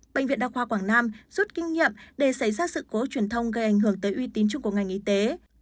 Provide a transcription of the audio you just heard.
bệnh viện đa khoa quảng nam rút kinh nghiệm để xảy ra sự cố truyền thông gây ảnh hưởng tới uy tín chung của ngành y tế